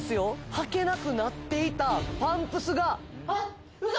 履けなくなっていたパンプスがあっウソ！